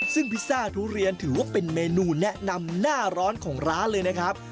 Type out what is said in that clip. ซึ่งพิซซ่าทุเรียนถือว่าเป็นเมนูแนะนำหน้าร้อนของร้านเลยนะครับ